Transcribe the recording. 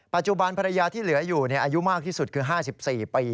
ปัจจุบันภรรยาที่เหลืออยู่อายุมากที่สุดคือ๕๔ปี